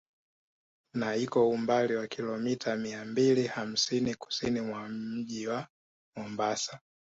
Na iko umbali wa Kilometa mia mbili hamsini Kusini mwa Mji wa Mombasa